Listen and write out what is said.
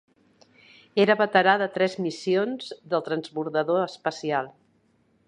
Era veterà de tres missions del transbordador espacial.